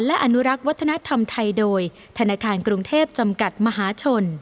และอนุรักษ์วัฒนธรรมไทยโดยธนาคารกรุงเทพจำกัดมหาชน